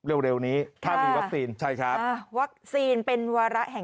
เออเดี๋ยว